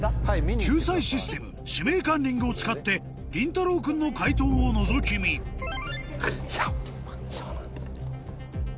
救済システム「指名カンニング」を使ってりんたろう君の解答をのぞき見やっぱりそうなんだ。